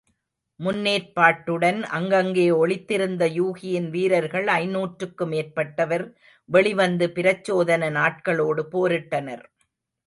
முன்னேற்பாட்டுடன் அங்கங்கே ஒளிந்திருந்த யூகியின் வீரர்கள் ஐந்நூற்றுக்கு மேற்பட்டவர் வெளிவந்து பிரச்சோதனன் ஆட்களோடு போரிட்டனர்.